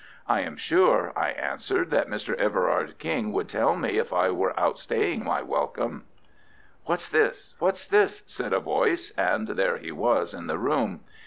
"I am sure," I answered "that Mr. Everard King would tell me if I were outstaying my welcome." "What's this? What's this?" said a voice, and there he was in the room.